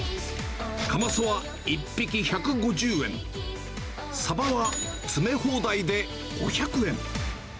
カマスは１匹１５０円、サバは詰め放題で５００円。